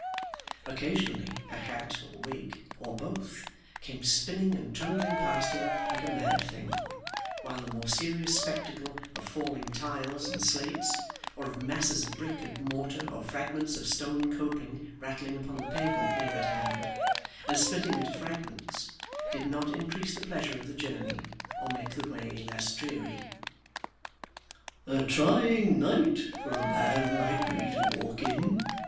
Occasionally a hat or wig, or both, came spinning and trundling past him, like a mad thing; while the more serious spectacle of falling tiles and slates, or of masses of brick and mortar or fragments of stone coping rattling upon the pavement near at hand, and splitting into fragments, did not increase the pleasure of the journey, or make the way less dreary. 'A trying night for a man like me to walk in!